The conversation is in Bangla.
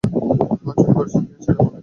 চুরি করেছেন কিনা, সেটা বলেন?